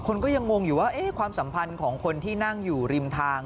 คนก็ยังงงอยู่ว่าความสัมพันธ์ของคนที่นั่งอยู่ริมทาง